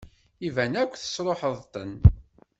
Iban akk tesṛuḥeḍ-tent.